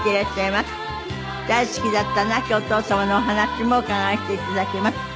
大好きだった亡きお父様のお話も伺わせて頂きます。